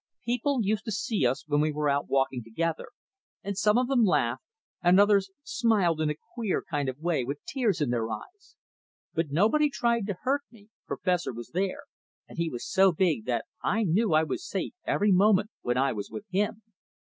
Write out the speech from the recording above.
People used to see us when we were out walking together, and some of them laughed, and others smiled in a queer kind of way with tears in their eyes. But nobody tried to hurt me, for Fessor was there, and he was so big that I knew I was safe every moment when I was with him.